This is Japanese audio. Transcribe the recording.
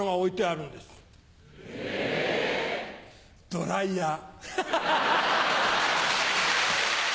ドライヤー。